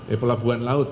eh pelabuhan laut